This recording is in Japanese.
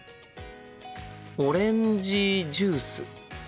オレンジジュース。